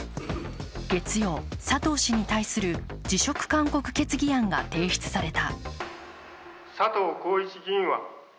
月曜、佐藤氏に対する辞職勧告決議案が提出された。